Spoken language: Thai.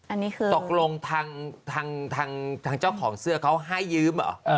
อันนี้คือตกลงทางทางเจ้าของเสื้อเขาให้ยืมเหรอ